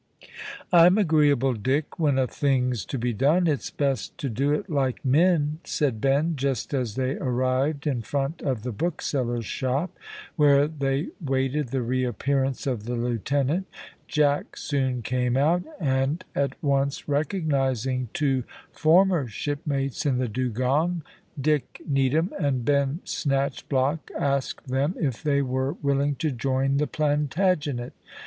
"I'm agreeable, Dick when a thing's to be done, it's best to do it like men," said Ben, just as they arrived in front of the bookseller's shop, where they waited the reappearance of the lieutenant, Jack soon came out, and at once recognising two former shipmates in the Dugong, Dick Needham and Ben Snatchblock asked them if they were willing to join the Plantagenet.